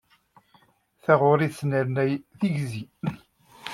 Taɣuṛi tesnernay tigzi.